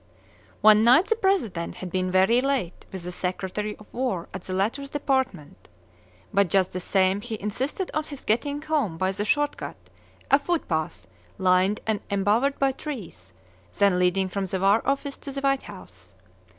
One night the President had been very late with the secretary of war at the latter's department. But, just the same, he insisted on his getting home by the short cut a foot path, lined and embowered by trees, then leading from the war office to the White House.